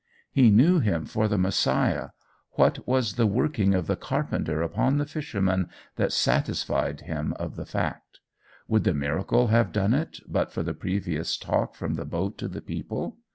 He knew him for the Messiah: what was the working of the carpenter upon the fisherman that satisfied him of the fact? Would the miracle have done it but for the previous talk from the boat to the people?